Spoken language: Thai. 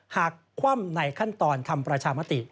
คว่ำในขั้นตอนทำประชามติ